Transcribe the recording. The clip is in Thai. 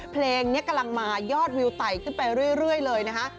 เพลงนี้กำลังมายอดวิวไต่ขึ้นไปเรื่อยเลยนะคะ